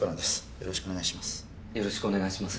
よろしくお願いします